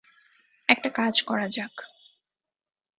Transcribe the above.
একটা কাজ করা যাক।